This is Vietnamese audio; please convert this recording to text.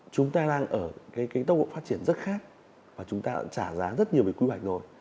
chúng ta đang ở tốc độ phát triển rất khác và chúng ta đã trả giá rất nhiều về quy hoạch rồi